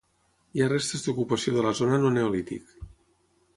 Hi ha restes d'ocupació de la zona en el neolític.